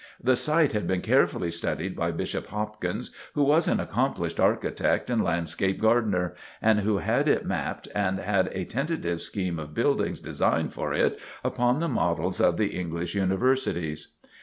The site had been carefully studied by Bishop Hopkins, who was an accomplished architect and landscape gardener, and who had it mapped, and had a tentative scheme of buildings designed for it upon the models of the English Universities.